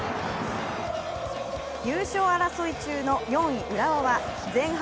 優勝争い中の４位浦和は前半